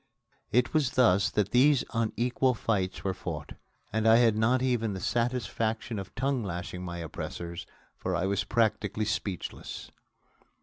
It was thus that these unequal fights were fought. And I had not even the satisfaction of tongue lashing my oppressors, for I was practically speechless.